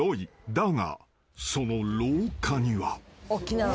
だがその廊下には］